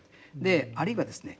あるいはですね